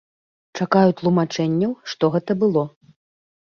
Чакаю тлумачэнняў, што гэта было.